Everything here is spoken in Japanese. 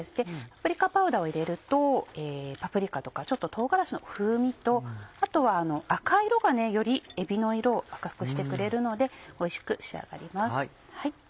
パプリカパウダーを入れるとパプリカとかちょっと唐辛子の風味とあとは赤い色がよりえびの色を赤くしてくれるのでおいしく仕上がります。